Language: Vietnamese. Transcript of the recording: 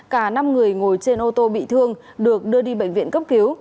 cả năm người ngồi trên ô tô bị thương được đưa đi bệnh viện cấp cứu